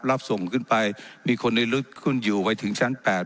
รับส่งขึ้นไปมีคนในลึกขึ้นอยู่ไปถึงชั้น๘